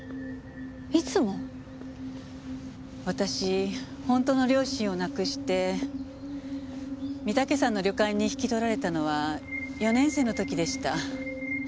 私本当の両親を亡くして御岳山の旅館に引き取られたのは４年生の時でした。